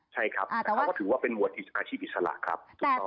ใช่ครับแต่เขาก็ถือว่าเป็นหวดอิสอาชีพอิสระครับ